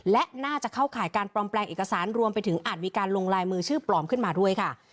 และน่าจะเข้าข่ายการปลอมแปลงเอกสารรวมไปถึงอาจมีการลงลายมือชื่อปลอมขึ้นมาด้วยค่ะ